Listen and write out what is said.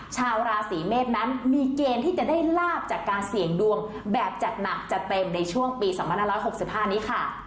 ชาวราศีเมษนั้นมีเกณฑ์ที่จะได้ลาบจากการเสี่ยงดวงแบบจัดหนักจัดเต็มในช่วงปี๒๕๖๕นี้ค่ะ